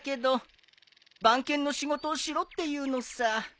番犬の仕事をしろって言うのさ。